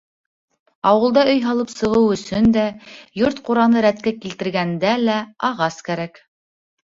Ауылда өй һалып сығыу өсөн дә, йорт-ҡураны рәткә килтергәндә лә ағас кәрәк.